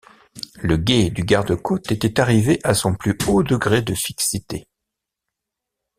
Le guet du garde-côte était arrivé à son plus haut degré de fixité.